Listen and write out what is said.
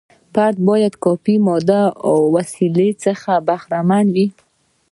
فرد باید کافي مادي وسیلو څخه برخمن وي.